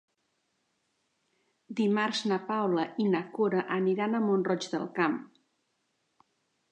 Dimarts na Paula i na Cora aniran a Mont-roig del Camp.